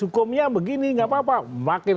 hukumnya begini gak apa apa makin